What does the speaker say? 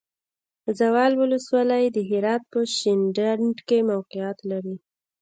زاول ولسوالی د هرات په شینډنډ کې موقعیت لري.